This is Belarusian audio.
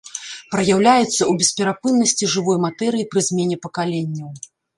Праяўляецца ў бесперапыннасці жывой матэрыі пры змене пакаленняў.